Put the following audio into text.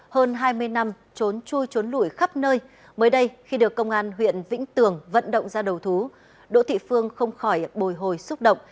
hơn hai mươi năm trốn chui trốn lũi khắp nơi mới đây khi được công an huyện vĩnh tường vận động ra đầu thú đỗ thị phương không khỏi bồi hồi xúc động